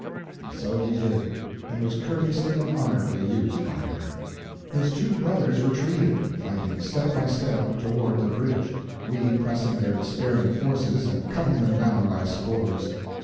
And so he did; and was courteously and honorably used by her. His two brothers retreated, fighting step by step, toward the bridge, we pressing their despairing forces and cutting them down by scores.